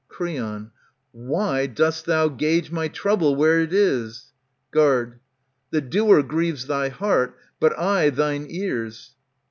Creon, Why dost thou gauge my trouble where it is ? Guard. The doer grieves thy heart, but I thine ears.